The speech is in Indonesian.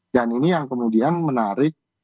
dan ini yang kemudian menarik